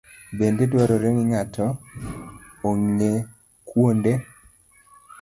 Bende dwarore ni ng'ato ong'e kuonde